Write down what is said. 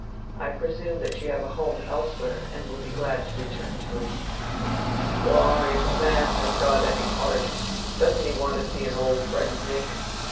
I presume that you have a home elsewhere and will be glad to return to it." "Why, if a man has got any heart, doesn't he want to see an old friend, Nick?